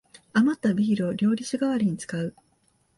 あまったビールを料理酒がわりに使う